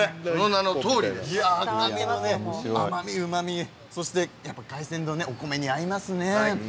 甘み、うまみ、そして海鮮丼、お米に合いますね。